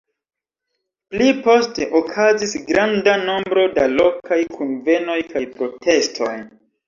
Pli poste, okazis granda nombro da lokaj kunvenoj kaj protestoj.